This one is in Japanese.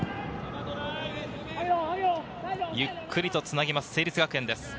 ゆっくりとつなぎます、成立学園です。